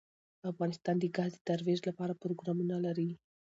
افغانستان د ګاز د ترویج لپاره پروګرامونه لري.